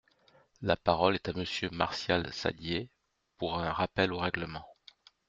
La parole est à Monsieur Martial Saddier, pour un rappel au règlement.